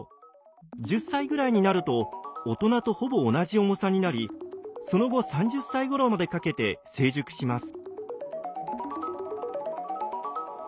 １０歳ぐらいになると大人とほぼ同じ重さになりその後３０歳ごろまでかけて成熟します。